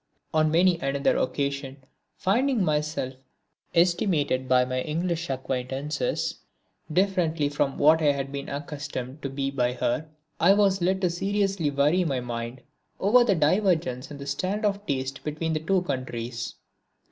On many another occasion, finding myself estimated by my English acquaintances differently from what I had been accustomed to be by her, I was led to seriously worry my mind over the divergence in the standard of taste between the two countries!